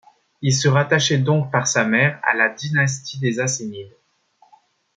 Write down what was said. Il se rattachait donc par sa mère à la dynastie des Asenides.